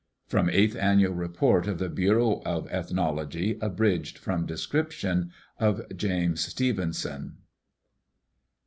(From eighth annual report of the Bureau of Ethnology, abridged from description of James Stevenson.)